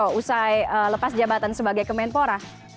atau usai lepas jabatan sebagai kemenpora